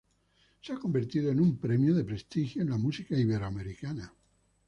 Se ha convertido en un premio de prestigio en la música iberoamericana.